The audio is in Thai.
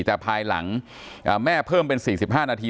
แต่ภายหลังอ่าแม่เพิ่มเป็นสี่สิบห้านาที